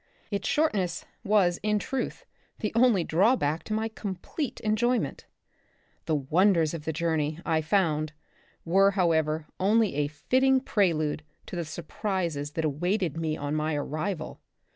Its short ness was, in truth, the only drawback to my complete enjoyment. The wonders of the The Republic of the Future, 13 journey, I found, were, however, only a fitting prelude to the surprises that awaited me on my arrival.